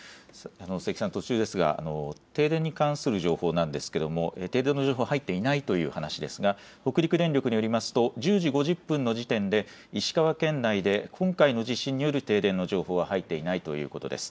清木さん、途中ですが停電に関する情報なんですが停電の情報、入っていないということですが北陸電力によると１０時５０分の時点で石川県内で今回の地震による停電の情報は入っていないということです。